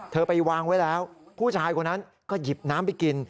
ไปวางไว้แล้วผู้ชายคนนั้นก็หยิบน้ำไปกิน